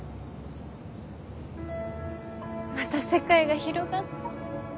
また世界が広がった。